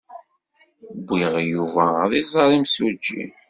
Wwiɣ Yuba ad iẓer imsujji.